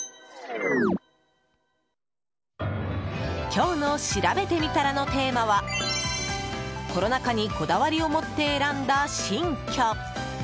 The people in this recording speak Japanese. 今日のしらべてみたらのテーマはコロナ禍にこだわりを持って選んだ新居。